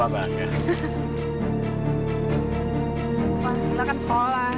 bukan itu kan sekolah